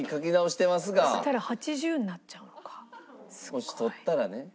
もし取ったらね。